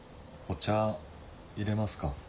お茶いれますか？